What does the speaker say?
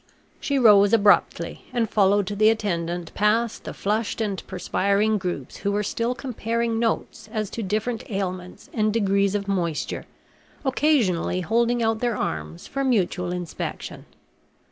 She rose abruptly and followed the attendant past the flushed and perspiring groups who were still comparing notes as to different ailments and degrees of moisture, occasionally holding out their arms for mutual inspection.